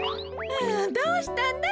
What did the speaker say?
どうしたんだい？